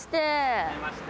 はじめまして。